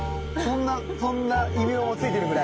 そんな異名も付いてるぐらい。